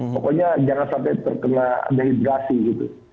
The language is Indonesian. pokoknya jangan sampai terkena dehidrasi gitu